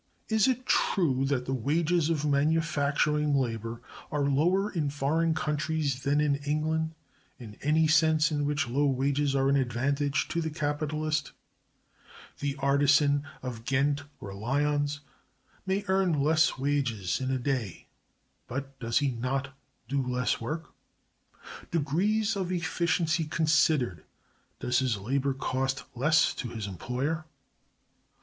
Is it true that the wages of manufacturing labor are lower in foreign countries than in England, in any sense in which low wages are an advantage to the capitalist? The artisan of Ghent or Lyons may earn less wages in a day, but does he not do less work? Degrees of efficiency considered, does his labor cost less to his employer?